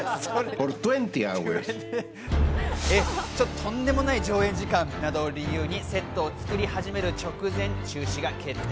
とんでもない上映時間などを理由にセットを作り始める直前に中止が決定。